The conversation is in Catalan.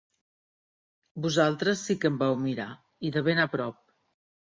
Vosaltres sí que em vau mirar, i de ben a prop.